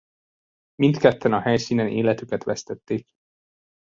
Mindketten a helyszínen életüket vesztették.